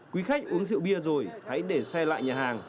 quý khách uống rượu bia rồi hãy để xe lại nhà hàng